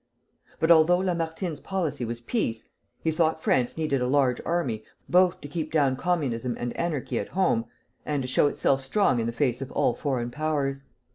But although Lamartine's policy was peace, he thought France needed a large army both to keep down communism and anarchy at home, and to show itself strong in the face of all foreign powers.